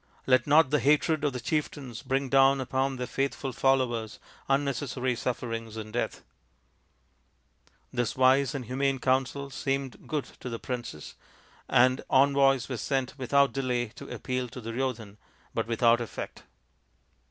Let not the hatred of the chieftains bring down upon their faithful followers unnecessary sufferings and death." This wise and humane counsel seemed good to the princes, and envoys were sent without delay to appeal to Duryo dhan, but without effect.